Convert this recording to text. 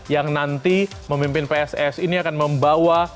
yang nanti memimpin pssi ini akan membawa